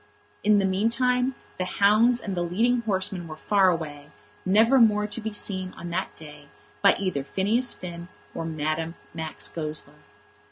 In the meantime the hounds and the leading horsemen were far away, never more to be seen on that day by either Phineas Finn or Madame Max Goesler.